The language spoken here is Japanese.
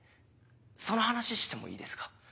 その話してもいいですか？